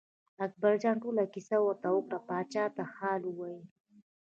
اکبرجان ټوله کیسه ورته وکړه پاچا ته حال ویل.